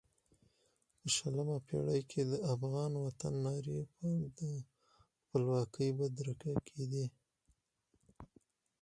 په شلمه پېړۍ کې د افغان وطن نارې د خپلواکۍ بدرګه کېدې.